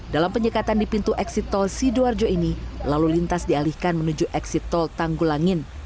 dalam penyekatan di pintu eksit tol sidoarjo ini lalu lintas dialihkan menuju eksit tol tanggulangin